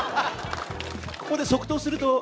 ここで即答すると。